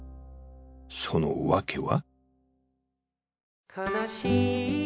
その訳は？